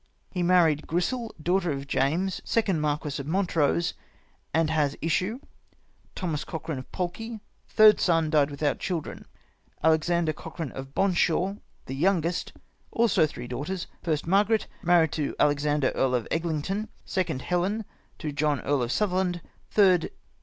He married Grisel, Danghter of James, second JMarquis of Montrose, and has issue ; Thomas Cochran of Polkely, third Son, dyed without children ; Alexander Cochran, of Bonshaw, the youngest ; also three Daughters ; Lst. ]\Iargaret, married to Alexander Earl of Eglintoun. 2nd. Helen, to John Earl of Sutherland. 3rd.